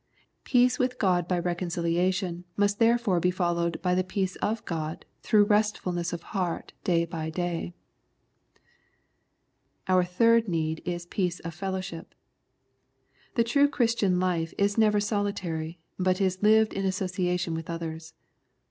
Peace with God by reconciliation must therefore be followed by the peace of God through restfulness of heart day by day. Our third need is peace of fellowship. The true Christian life is never solitary, but is lived in association with others.